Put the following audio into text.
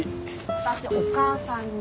私お母さん似。